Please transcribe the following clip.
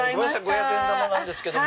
五百円玉なんですけども。